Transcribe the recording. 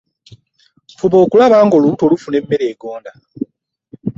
fuba okulaba nga olubuto lufuna emmere egoonda